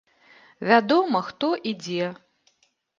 Вядома, хто і дзе.